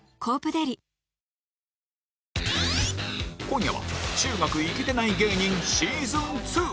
今夜は中学イケてない芸人シーズン Ⅱ